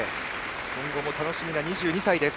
今後も楽しみな２２歳です。